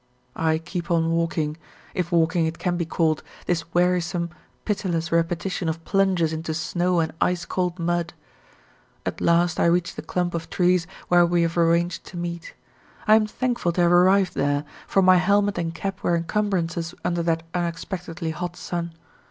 I keep on walking, if walking it can be called, this wearisome, pitiless repetition of plunges into snow and ice cold mud. At last I reach the clump of trees where we have arranged to meet. I am thankful to have arrived there, for my helmet and cap were encumbrances under that unexpectedly hot sun.